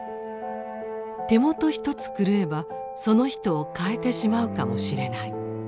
手元一つ狂えばその人を変えてしまうかもしれない。